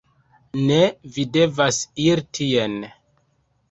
Ne, vi devas iri tien.